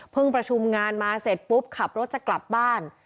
ประชุมงานมาเสร็จปุ๊บขับรถจะกลับบ้าน